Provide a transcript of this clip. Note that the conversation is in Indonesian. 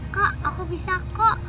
kak aku bisa kok